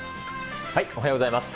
おはようございます。